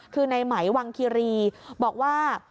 คือในไหมวังคิรีบอกว่า